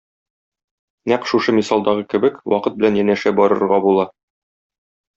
Нәкъ шушы мисалдагы кебек, вакыт белән янәшә барырга була.